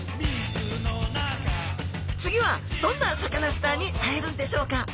次はどんなサカナスターに会えるんでしょうか？